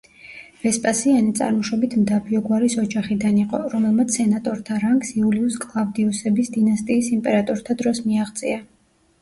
ვესპასიანე წარმოშობით მდაბიო გვარის ოჯახიდან იყო, რომელმაც სენატორთა რანგს იულიუს-კლავდიუსების დინასტიის იმპერატორთა დროს მიაღწია.